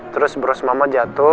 terus bros mama jatuh